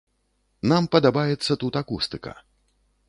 Нам падабаецца тут акустыка.